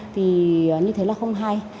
thì như thế là không hay